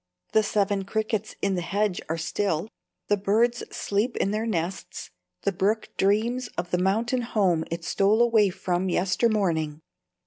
The Seven Crickets in the hedge are still, the birds sleep in their nests, the brook dreams of the mountain home it stole away from yester morning.